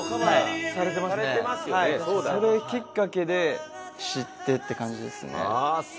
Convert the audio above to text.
それきっかけで知ってって感じですね。